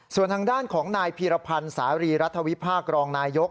ส่วนทางด้านของนายพีรพันธ์สารีรัฐวิพากษ์รองนายก